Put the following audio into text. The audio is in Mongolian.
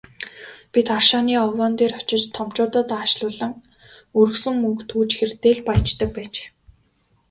Бид рашааны овоон дээр очиж томчуудад аашлуулан, өргөсөн мөнгө түүж хэрдээ л «баяждаг» байж.